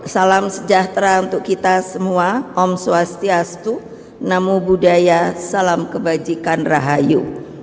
salam sejahtera untuk kita semua om swastiastu namo buddhaya salam kebajikan rahayu